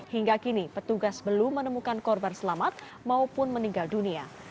hingga kini petugas belum menemukan korban selamat maupun meninggal dunia